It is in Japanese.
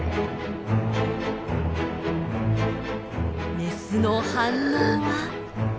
メスの反応は。